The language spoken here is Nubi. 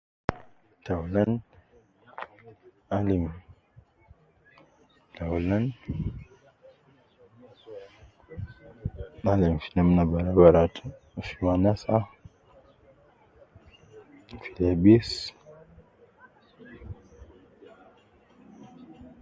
Taulan, alim, taulan, alim fi namna bara bara te fi wanasa, fi lebis